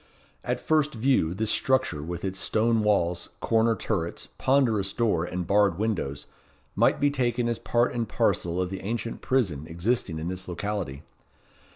At first view, this structure, with its stone walls, corner turrets, ponderous door, and barred windows, might be taken as part and parcel of the ancient prison existing in this locality.